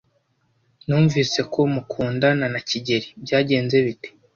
Numvise ko mukundana na kigeli. Byagenze bite?